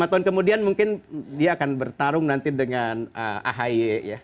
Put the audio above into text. lima tahun kemudian mungkin dia akan bertarung nanti dengan ahy ya